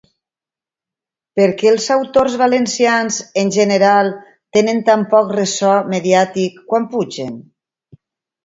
Per què els autors valencians, en general, tenen tan poc ressò mediàtic quan ‘pugen’?